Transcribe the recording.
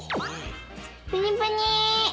プニプニ！